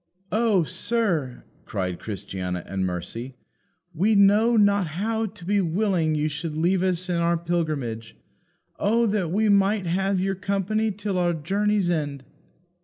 "O sir!" cried Christiana and Mercy, "we know not how to be willing you should leave us in our pilgrimage. Oh that we might have your company till our journey's end."